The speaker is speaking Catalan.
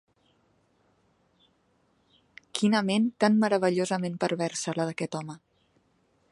Quina ment tan meravellosament perversa, la d'aquest home!